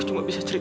itu nulis gini sih